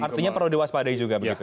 artinya perlu diwaspadai juga begitu